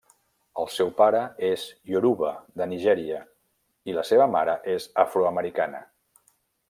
El seu pare és ioruba de Nigèria, i la seva mare és afroamericana.